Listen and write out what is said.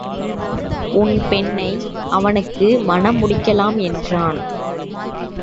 உன் பெண்ணை அவனுக்கு மண முடிக்கலாம் என்றான்.